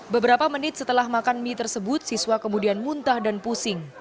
beberapa menit setelah makan mie tersebut siswa kemudian muntah dan pusing